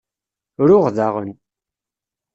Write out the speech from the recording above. Ruɣ daɣen.